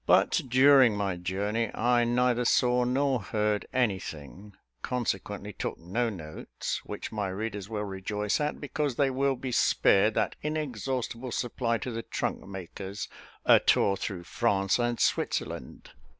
But, during my journey, I neither saw nor heard any thing, consequently took no notes, which my readers will rejoice at, because they will be spared that inexhaustible supply to the trunk makers, "A Tour through France and Switzerland."